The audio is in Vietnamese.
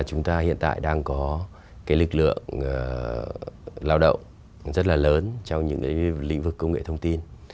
chúng ta hiện tại đang có cái lực lượng lao động rất là lớn trong những lĩnh vực công nghệ thông tin